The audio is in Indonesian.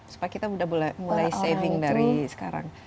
supaya kita udah mulai saving dari sekarang